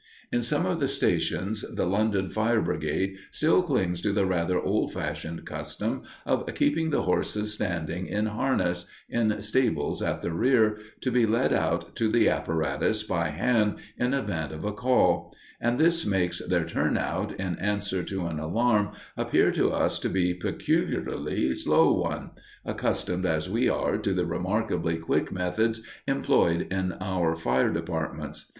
In some of the stations, the London fire brigade still clings to the rather old fashioned custom of keeping the horses standing in harness, in stables at the rear, to be led out to the apparatus by hand in event of a "call"; and this makes their "turnout" in answer to an alarm appear to us to be a peculiarly slow one, accustomed as we are to the remarkably quick methods employed in our fire departments.